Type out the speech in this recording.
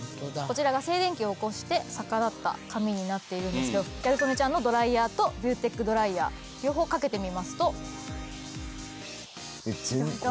こちらが静電気を起こして逆立った髪になっているんですけどギャル曽根ちゃんのドライヤーとビューテックドライヤー両方かけてみますと。